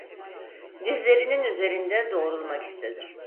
Dizlerinin üzerinde doğrulmak istedi.